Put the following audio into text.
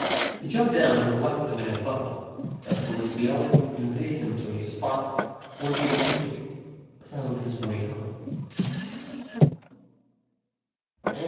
He jumped down and collected them in a bundle, after which the elephant conveyed him to a spot whence he easily found his way home.